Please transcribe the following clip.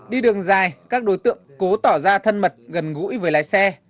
đi đường dài các đối tượng cố tỏ ra thân mật gần gũi với lái xe